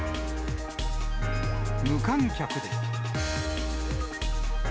無観客で。